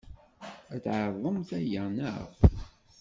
Ad tɛeḍemt aya, naɣ?